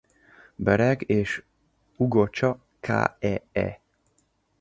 Bereg és Ugocsa k.e.e.